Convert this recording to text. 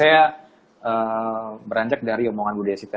ya mungkin juga semua pelatih pelatih faka